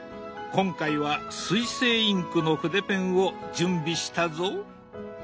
今回は水性インクの筆ペンを準備したぞ。